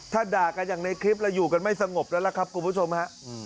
ถ้าด่ากันอย่างในคลิปเราอยู่กันไม่สงบแล้วล่ะครับคุณผู้ชมฮะ